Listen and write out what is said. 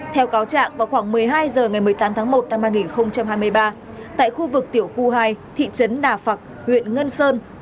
theo cáo trạng vào khoảng một mươi hai h ngày một mươi tám tháng một năm hai nghìn hai mươi ba tại khu vực tiểu khu hai thị trấn đà phạc huyện ngân sơn